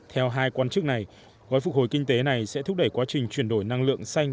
theo hai quan chức này gói phục hồi kinh tế này sẽ thúc đẩy quá trình chuyển đổi năng lượng xanh